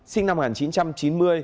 sinh năm một nghìn chín trăm chín mươi